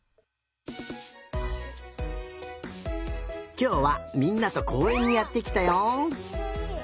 きょうはみんなとこうえんにやってきたよ。